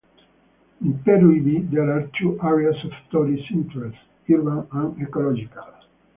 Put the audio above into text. In Peruibe there are two areas of tourist interest: urban and ecological.